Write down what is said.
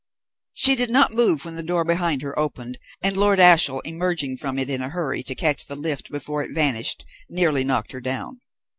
She did not move when the door behind her opened, and Lord Ashiel, emerging from it in a hurry to catch the lift before it vanished, nearly knocked her down.